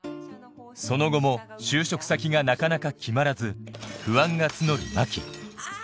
その後も就職先がなかなか決まらず不安が募る真希